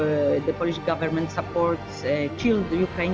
pemerintah polandia mendukung anak anak ukraina